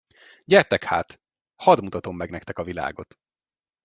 Gyertek hát, hadd mutatom meg nektek a világot!